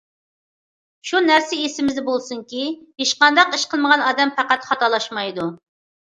شۇ نەرسە ئېسىمىزدە بولسۇنكى، ھېچقانداق ئىش قىلمىغان ئادەم پەقەت خاتالاشمايدۇ.